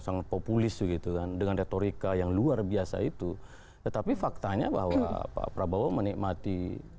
sangat populis begitu kan dengan retorika yang luar biasa itu tetapi faktanya bahwa pak prabowo menikmati